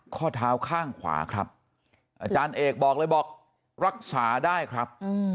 ข้อเท้าข้างขวาครับอาจารย์เอกบอกเลยบอกรักษาได้ครับ